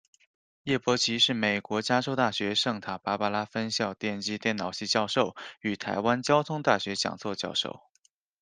叶伯琦是美国加州大学圣塔芭芭拉分校电机电脑系教授与台湾交通大学讲座教授。